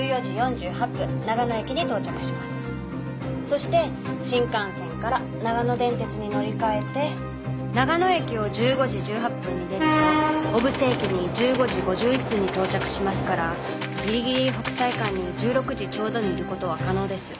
そして新幹線から長野電鉄に乗り換えて長野駅を１５時１８分に出ると小布施駅に１５時５１分に到着しますからギリギリ北斎館に１６時ちょうどにいる事は可能です。